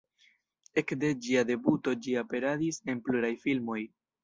Ekde ĝia debuto ĝi aperadis en pluraj filmoj.